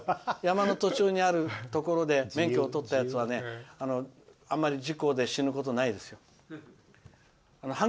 山の途中にあるところで免許を取ったやつはねあまり事故で死ぬことないですよ。